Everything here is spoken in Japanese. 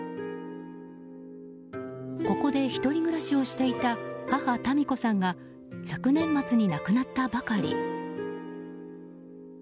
ここで１人暮らしをしていた母・たみ子さんが昨年末に亡くなったばかり。